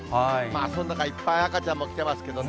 そんな中、いっぱい赤ちゃんも来てますけどね。